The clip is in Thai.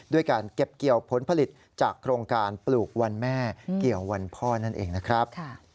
ด้วยการเก็บเกี่ยวผลผลิตจากโครงการปลูกวันแม่เกี่ยววันพ่อนั่นเองนะครับ